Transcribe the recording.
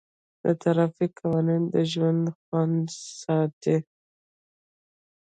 د ټرافیک قوانین د ژوند خوندي ساتي.